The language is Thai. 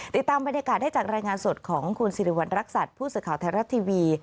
ติดตามบรรยากาศได้จากรายงานสดของคุณสิริวัณรักษัตริย์ผู้สื่อข่าวไทยรัฐทีวี